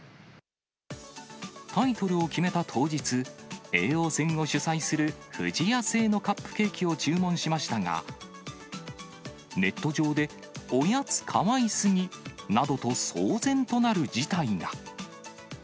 タイトルを決めた当日、叡王戦を主催する不二家製のカップケーキを注文しましたが、ネット上で、おやつかわいすぎなどと騒然となる事態が。